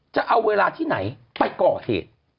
จะเอาเวลาที่ไหนไปก่อเหตุ